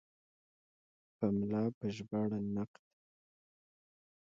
پملا په ژباړه نقد هم خپروي.